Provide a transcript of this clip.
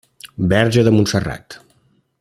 Verge de Montserrat.